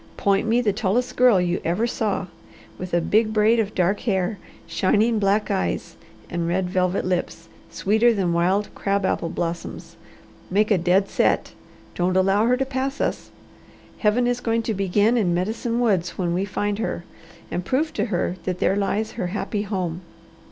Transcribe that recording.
"Point me the tallest girl you ever saw, with a big braid of dark hair, shining black eyes, and red velvet lips, sweeter than wild crab apple blossoms. Make a dead set! Don't allow her to pass us. Heaven is going to begin in Medicine Woods when we find her and prove to her that there lies her happy home.